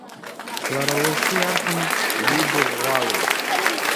Лара уи лхы иархәаны дидыӷәӷәалоит.